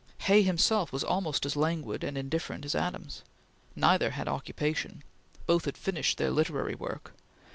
Hay himself was almost as languid and indifferent as Adams. Neither had occupation. Both had finished their literary work.